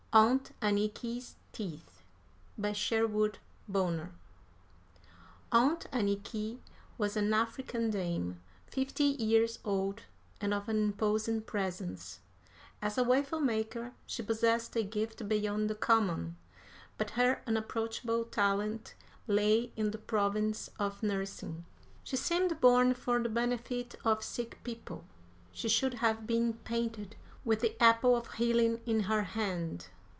AUNT ANNIKY'S TEETH. BY SHERWOOD BONNER. Aunt Anniky was an African dame, fifty years old, and of an imposing presence. As a waffle maker she possessed a gift beyond the common, but her unapproachable talent lay in the province of nursing. She seemed born for the benefit of sick people. She should have been painted with the apple of healing in her hand.